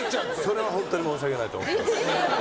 それは本当に申し訳ないと思ってます。